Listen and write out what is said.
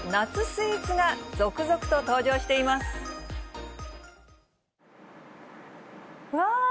スイーツが続々と登場していうわー！